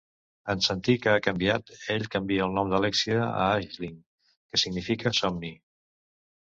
En sentir que ha canviat, ell canvia el nom d'Alexia a Aisling, que significa "somni".